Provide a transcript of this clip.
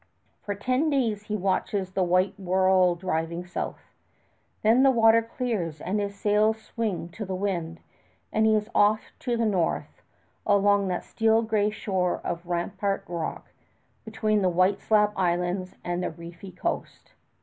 For ten days he watches the white whirl driving south. Then the water clears and his sails swing to the wind, and he is off to the north, along that steel gray shore of rampart rock, between the white slab islands and the reefy coast.